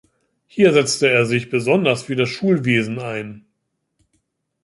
Hier setzte er sich besonders für das Schulwesen ein.